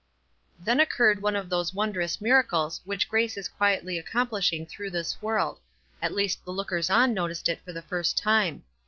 Tiiex occurred one of those wondrous mira cles which grace is quietly accomplishing through this world ; at least the lookers on noticed it for the first time.